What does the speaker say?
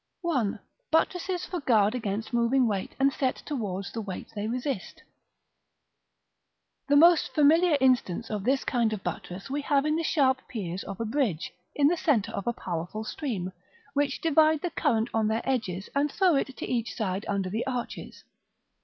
§ III. 1. Buttresses for guard against moving weight and set towards the weight they resist. The most familiar instance of this kind of buttress we have in the sharp piers of a bridge, in the centre of a powerful stream, which divide the current on their edges, and throw it to each side under the arches.